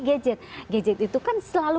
gadget gadget itu kan selalu